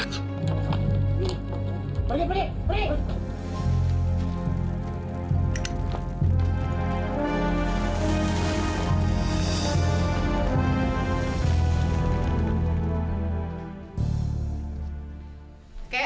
pergi pergi pergi